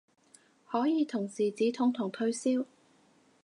可以同時止痛同退燒